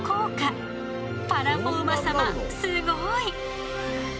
パラフォーマ様すごい！